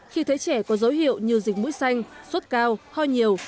khi thấy trẻ có dấu hiệu như dịch mũi xanh suốt cao ho nhiều